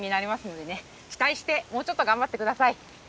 期待してもうちょっと頑張って下さい。